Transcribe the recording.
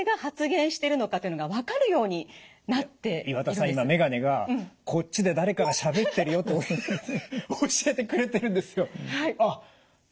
今眼鏡がこっちで誰かがしゃべってるよって教えてくれてるんですよ。